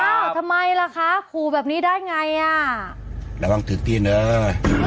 อ้าวทำไมล่ะคะขูแบบนี้ได้ไงอ่ะระวังถือกจิ้นเลย